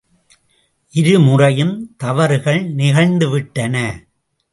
இருமுறையும் தவறுகள் நிகழ்ந்துவிட்டன.